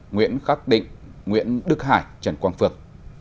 nguyễn khắc định nguyễn đức hải trần quang phước